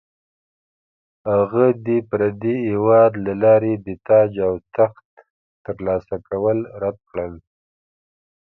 هغه د پردي هیواد له لارې د تاج او تخت ترلاسه کول رد کړل.